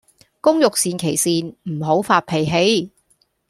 工欲善其事,唔好發脾氣